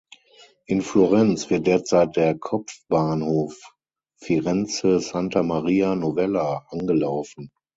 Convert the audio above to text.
In Florenz wird derzeit der Kopfbahnhof Firenze Santa Maria Novella angelaufen.